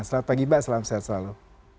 selamat pagi mbak selamat sehat selalu